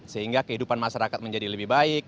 sehingga kehidupan masyarakat menjadi lebih baik